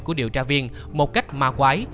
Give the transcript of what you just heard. của điều tra viên một cách ma quái